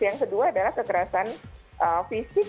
yang kedua adalah kekerasan fisik